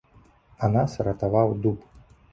А нас ратаваў дуб.